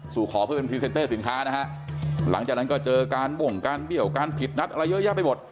สู่ขอเพื่อเป็นพรีเซนเตอร์สินค้านะฮะหลังจากนั้นก็เจอการบ่งการเบี้ยวการผิดนัดอะไรเยอะแยะไปหมด